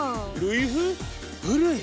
古い！